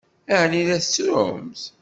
Ɛni la tettrumt?